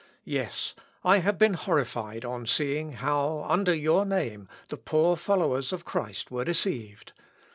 Yes; I have been horrified on seeing how, under your name, the poor followers of Christ were deceived.